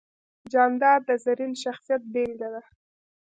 جانداد د زرین شخصیت بېلګه ده.